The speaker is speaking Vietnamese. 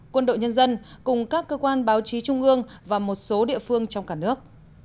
quân đội nhân dân cùng các cơ quan báo chí trung ương và một số địa phương trong cả nước